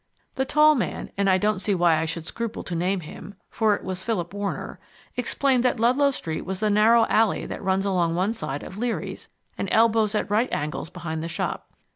The tall man and I don't see why I should scruple to name him, for it was Philip Warner explained that Ludlow Street was the narrow alley that runs along one side of Leary's and elbows at right angles behind the shop.